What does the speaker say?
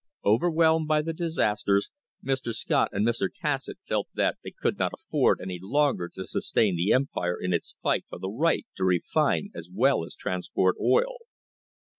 Overwhelmed by the disasters, Mr. Scott and Mr. Cassatt felt that they could not afford any longer to sustain the Empire in its fight for the right to refine as well as transport oil.